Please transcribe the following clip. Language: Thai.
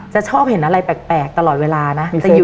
จะชอบเห็นอะไรแปลกตลอดเวลานะ